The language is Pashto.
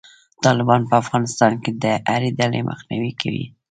طالبان به په افغانستان کې د هري ډلې مخنیوی کوي.